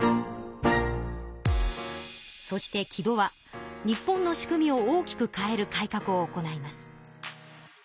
そして木戸は日本の仕組みを大きく変える改かくを行います。